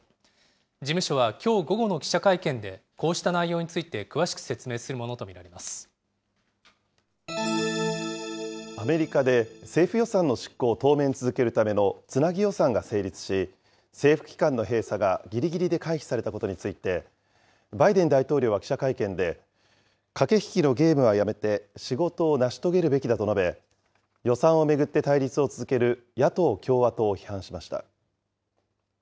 事務所はきょう午後の記者会見で、こうした内容について詳しく説明アメリカで政府予算の執行を当面続けるためのつなぎ予算が成立し、政府機関の閉鎖がぎりぎりで回避されたことについて、バイデン大統領は記者会見で、駆け引きのゲームはやめて仕事を成し遂げるべきだと述べ、予算を巡って対立を続ける野党・共和党を批判しました。